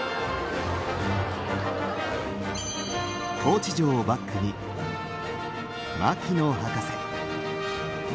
高知城をバックに牧野博士。